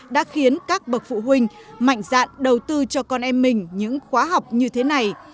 đã khiến các bậc phụ huynh mạnh dạn đầu tư cho con em mình những khóa học như thế này